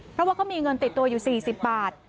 เพราะว่าเขามีเงินติดตัวอยู่๔๐บาท